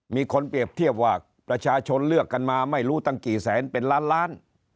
มีคนเปรียบเทียบว่าประชาชนเลือกกันมาไม่รู้ตั้งกี่แสนเป็นล้านล้าน